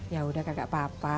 yaudah kagak apa apa